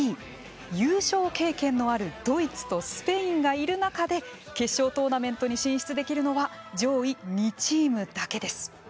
優勝経験のあるドイツとスペインがいる中で決勝トーナメントに進出できるのは上位２チームだけです。